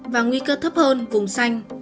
và nguy cơ thấp hơn vùng xanh